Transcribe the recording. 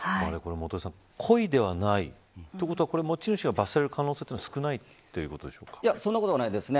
故意ではない、ということは持ち主が罰せられる可能性はそんなことはないですね。